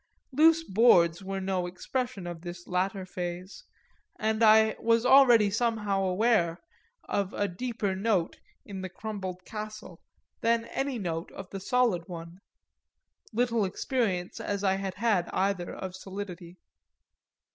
Loose boards were no expression of this latter phase, and I was already somehow aware of a deeper note in the crumbled castle than any note of the solid one little experience as I had had either of solidity.